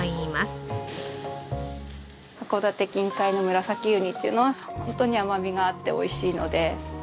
函館近海のムラサキウニというのは本当に甘みがあって美味しいので。